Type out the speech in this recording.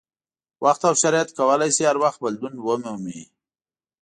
وخت او شرایط کولای شي هر وخت بدلون ومومي.